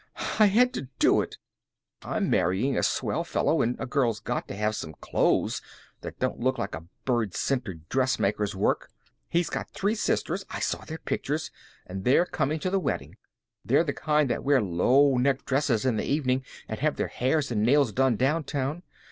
"I had to do it. I'm marrying a swell fellow and a girl's got to have some clothes that don't look like a Bird Center dressmaker's work. He's got three sisters. I saw their pictures and they're coming to the wedding. They're the kind that wear low necked dresses in the evening, and have their hair and nails done downtown.